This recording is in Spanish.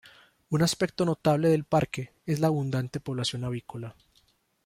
Un aspecto notable del parque es la abundante población avícola.